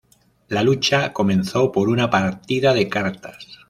La lucha comenzó por una partida de cartas.